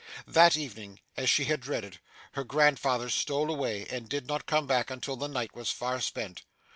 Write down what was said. That evening, as she had dreaded, her grandfather stole away, and did not come back until the night was far spent.